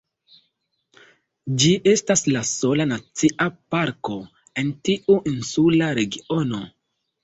Ĝi estas la sola nacia parko en tiu insula regiono.